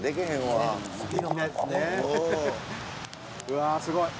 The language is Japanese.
「うわあすごい！」